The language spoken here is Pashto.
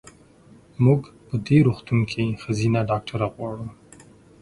مونږ په دې روغتون کې ښځېنه ډاکټره غواړو.